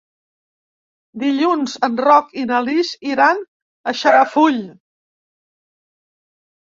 Dilluns en Roc i na Lis iran a Xarafull.